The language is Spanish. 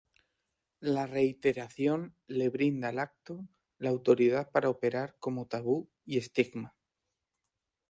La reiteración le brinda al acto la autoridad para operar como tabú y estigma.